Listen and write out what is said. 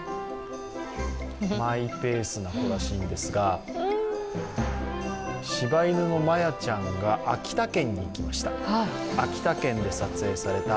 マイペースな子らしいんですがしば犬のマヤちゃんが秋田県に行きました。